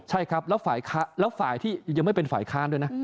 ใช่ครับแล้วฝ่ายที่ยังไม่เป็นฝ่ายค้านด้วยนะ